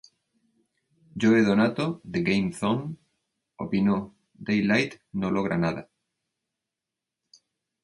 Joe Donato de GameZone opinó "Daylight no logra nada.